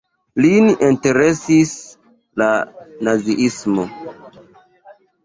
Lin interesis la Naziismo.